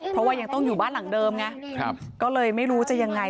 เพราะว่ายังต้องอยู่บ้านหลังเดิมไงก็เลยไม่รู้จะยังไง